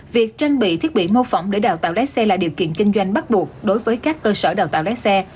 việc trang bị thiết bị mô phỏng để đào tạo lái xe là điều kiện kinh doanh bắt buộc đối với các cơ sở đào tạo lái xe